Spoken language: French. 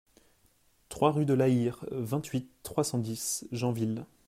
trois rue de Laïr, vingt-huit, trois cent dix, Janville